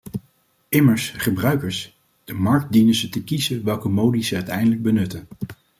Immers, gebruikers - de markt - dienen te kiezen welke modi ze uiteindelijk benutten.